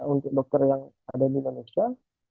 untuk dokter yang ada di indonesia